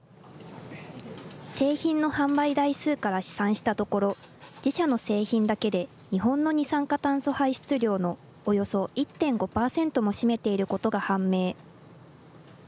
製品の販売台数から試算したところ、自社の製品だけで、日本の二酸化炭素排出量のおよそ１．５％も占めていることが判明。